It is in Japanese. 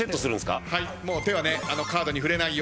はい。